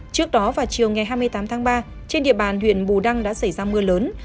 trước đó vào chiều ngày hai mươi tám tháng ba trên địa bàn huyện bù đăng đã xảy ra mưa lớn